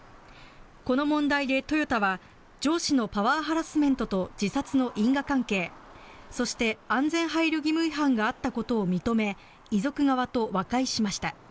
この問題でトヨタは上司のパワーハラスメントと自殺の因果関係そして、安全配慮義務違反があったことを認め遺族側と和解しました。